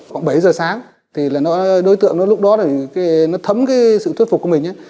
khoảng bảy giờ sáng thì đối tượng lúc đó nó thấm sự thuyết phục của mình